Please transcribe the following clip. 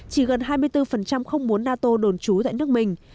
chỉ gần hai mươi bốn không muốn nato đồn trú tại nước mình